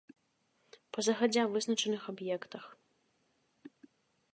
Па загадзя вызначаных аб'ектах.